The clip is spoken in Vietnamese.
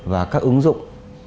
và các ứng dụng